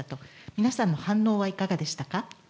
皆さんの反応はいかがでしたか？